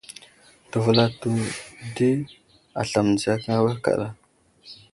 Təvəlato di aslam mənziya awehe kaɗa.